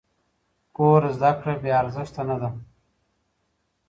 کور زده کړه بې ارزښته نه ده.